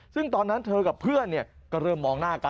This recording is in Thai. คือตอนนั้นเธอกับเพื่อนเนี่ยก็เริ่มมองหน้ากัน